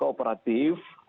kooperatif akan menginfeksi